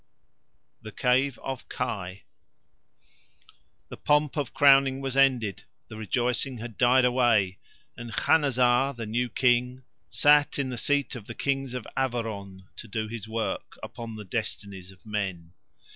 THE CAVE OF KAI The pomp of crowning was ended, the rejoicings had died away, and Khanazar, the new King, sat in the seat of the Kings of Averon to do his work upon the destinies of men.